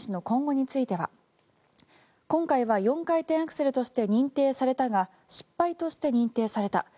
また、羽生選手の今後については今回は４回転アクセルとして認定されたが失敗として認定された。